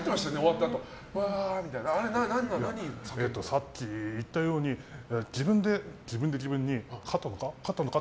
さっき言ったように自分で自分に勝ったのか？